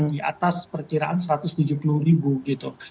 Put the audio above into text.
di atas perkiraan rp satu ratus tujuh puluh gitu